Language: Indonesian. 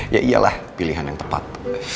ya ialah pilihan yang tepat